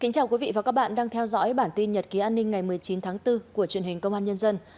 chào mừng quý vị đến với bản tin nhật ký an ninh ngày một mươi chín tháng bốn của truyền hình công an nhân dân